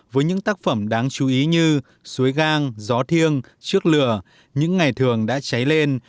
với những tác phẩm đáng chú ý như suối gang gió thiêng trước lửa những ngày thường đã cháy lên